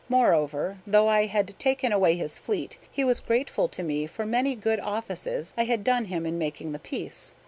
Moreover, though I had taken away his fleet he was grateful to me for many good offices I had done him in making the peace.